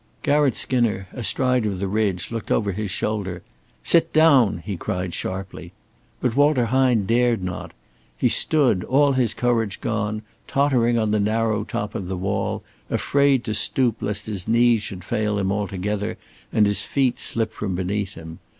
Garratt Skinner, astride of the ridge, looked over his shoulder. "Sit down," he cried, sharply. But Walter Hine dared not. He stood, all his courage gone, tottering on the narrow top of the wall, afraid to stoop, lest his knees should fail him altogether and his feet slip from beneath him.